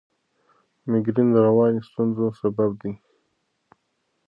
مېګرین د رواني ستونزو سبب دی.